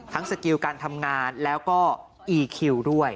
สกิลการทำงานแล้วก็อีคิวด้วย